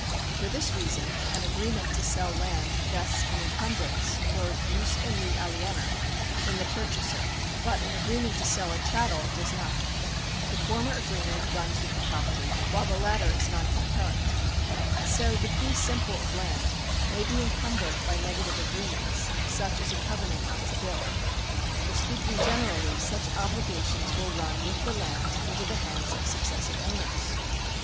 For this reason an agreement to sell land vests an encumbrance or jus in re aliena in the purchaser ; but an agreement to sell a chattel does not. The former agreement runs with the property, while the § 83] THE KINDS OF LEGAL RIGHTS 215 latter is non concurrent. So the fee simple of land may be encumbered by negative agreements, such as a covenant not to build ; for speaking generally, such obligations will run with the land into the hands of successive owners.